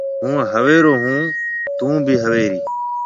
هُون هويرون هون۔ ٿُون بي هويريَ۔